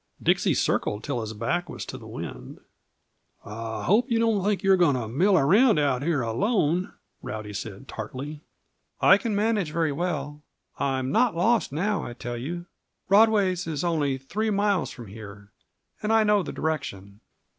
Dixie circled till his back was to the wind. "I hope you don't think you're going to mill around out here alone," Rowdy said tartly. "I can manage very well. I'm not lost now, I tell you. Rodway's is only three miles from here, and I know the direction."